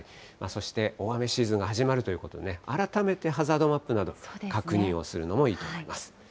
そして大雨シーズンが始まるということで、改めてハザードマップなど、確認をするのもいいといいます。